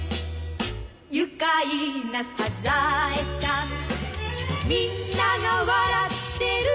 「愉快なサザエさん」「みんなが笑ってる」